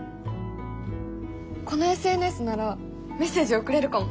このＳＮＳならメッセージ送れるかも！